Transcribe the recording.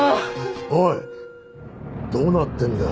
おいどうなってんだよ？